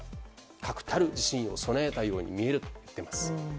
確たる自信を備えたように見えると言っています。